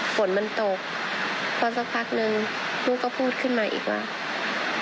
ฝนมันตกพอสักพักนึงลูกก็พูดขึ้นมาอีกว่า